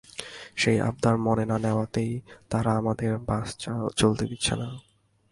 সেই আবদার মেনে না নেওয়াতেই তারা আমাদের বাস চলতে দিচ্ছে না।